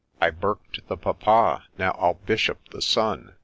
— I Burk'd the papa, now I'll Bishop the son